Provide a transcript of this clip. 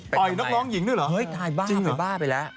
เป็นน้องหญิงด้วยเหรอ